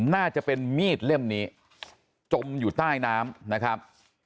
น่าจะเป็นมีดเล่มนี้จมอยู่ใต้น้ำนะครับ